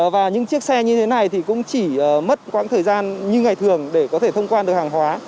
và những chiếc xe như thế này thì cũng chỉ mất quãng thời gian như ngày thường để có thể thông quan được hàng hóa